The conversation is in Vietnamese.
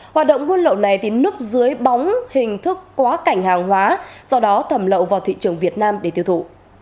hoạt động buôn lậu này núp dưới bóng hình thức quá cảnh hàng hóa do đó thẩm lậu vào thị trường việt nam để tiêu thụ